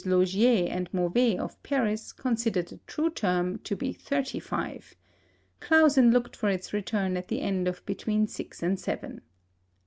Laugier and Mauvais of Paris considered the true term to be 35; Clausen looked for its return at the end of between six and seven.